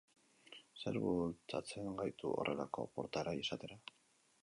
Zerk bultzatzen gaitu horrelako portaera izatera?